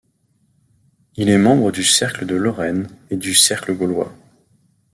Il est membre du Cercle de Lorraine et du Cercle Gaulois.